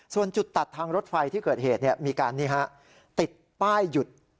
ส่วนจุดตัดทางรถไฟที่เกิดเหตุมีการติดป้ายหยุด